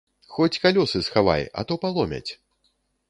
Хоць калёсы схавай, а то паломяць.